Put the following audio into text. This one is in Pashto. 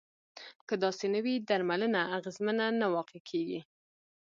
که داسې نه وي درملنه اغیزمنه نه واقع کیږي.